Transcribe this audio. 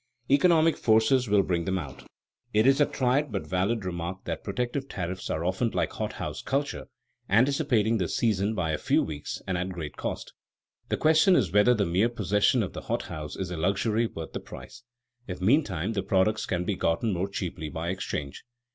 Economic forces will bring them out. It is a trite but valid remark that protective tariffs are often like hothouse culture, anticipating the season by a few weeks and at great cost. The question is whether the mere possession of the hothouse is a luxury worth the price, if meantime the products can be gotten more cheaply by exchange.